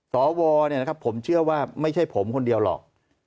สวเนี่ยนะครับผมเชื่อว่าไม่ใช่ผมคนเดียวหรอก